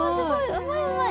うまいうまい！